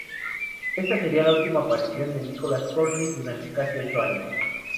Esta sería la última aparición de Nicholas Courtney durante casi ocho años.